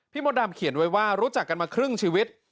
มดดำเขียนไว้ว่ารู้จักกันมาครึ่งชีวิต